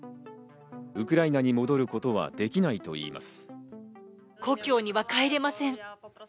ウクライナに戻ることはできないと言います。